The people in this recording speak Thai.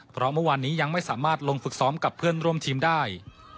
เพราะเมื่อวานนี้ยังไม่สามารถลงฝึกซ้อมกับเพื่อนร่วมทีมได้